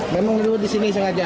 memang lu disini sengaja